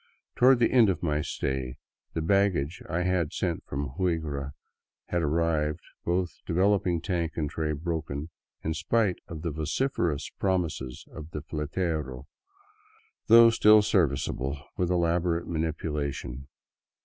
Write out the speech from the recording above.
Toward the end of my stay the baggage I had sent from Huigra had arrived, both de veloping tank and tray broken, in spite of the vociferous promises of the Hetero, though still serviceable with elaborate manipulation.